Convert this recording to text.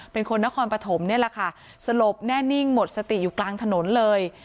เป็นคนนครปฐมนี่แหละค่ะสลบแน่นิ่งหมดสติอยู่กลางถนนเลย